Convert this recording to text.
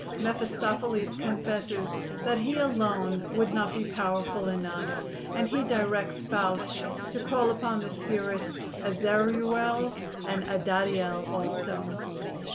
Mephistopheles confesses that he alone would not be powerful enough, and he directs Faust to call upon the spirits Azeruel and Adadiel also.